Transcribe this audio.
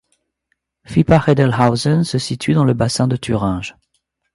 Vippachedelhausen se situe dans le Bassin de Thuringe.